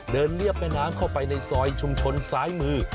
เรียบแม่น้ำเข้าไปในซอยชุมชนซ้ายมือ